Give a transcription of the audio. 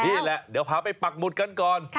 นี่แหละเดี๋ยวพาไปปักหมุดกันก่อน